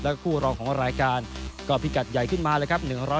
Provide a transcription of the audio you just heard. แล้วก็คู่รองของรายการก็พิกัดใหญ่ขึ้นมานะครับ